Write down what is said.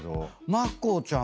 まっこーちゃん